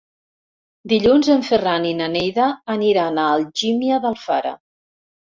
Dilluns en Ferran i na Neida aniran a Algímia d'Alfara.